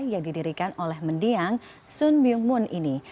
yang didirikan oleh mendiang sun byung moon ini